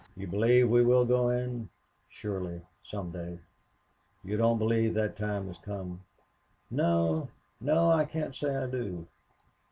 "You believe we will go in?" "Surely some day." "You don't believe the time has come?" "No no. I can't say I do."